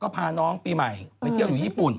พาน้องปีใหม่ไปเที่ยวอยู่ญี่ปุ่น